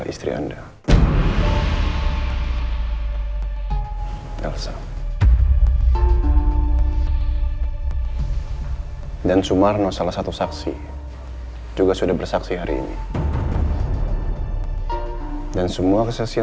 aku mau kamu bahagia